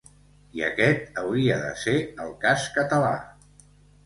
I aquest hauria de ser el cas català.